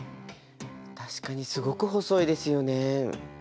確かにすごく細いですよね。